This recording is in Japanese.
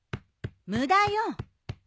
無駄よ。